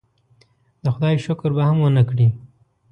د خدای شکر به هم ونه کړي.